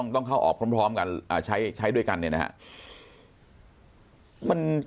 ต้องเข้าออกพร้อมกันใช้ด้วยกันเนี่ยนะครับ